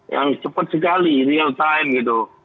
yang cepat sekali real time gitu